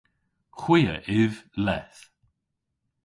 Hwi a yv leth.